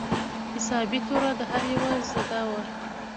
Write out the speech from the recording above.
حسابي توره د هر يوه زده وه.